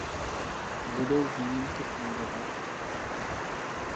Budou výjimky fungovat?